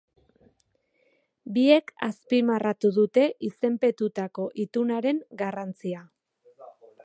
Biek azpimarratu dute izenpetutako itunaren garrantzia.